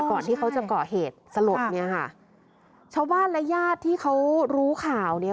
ก่อนที่เขาจะเกาะเหตุสลดเนี่ยค่ะชาวบ้านและญาติที่เขารู้ข่าวเนี้ย